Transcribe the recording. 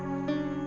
tidak ada apa apa